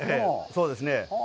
そうですね。